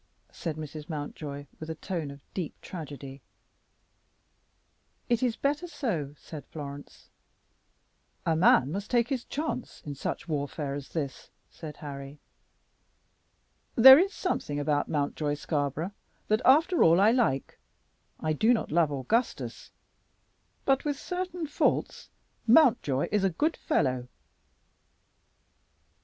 said Mrs. Mountjoy, with a tone of deep tragedy. "It is better so," said Florence. "A man must take his chance in such warfare as this," said Harry. "There is something about Mountjoy Scarborough that, after all, I like. I do not love Augustus, but, with certain faults, Mountjoy is a good fellow."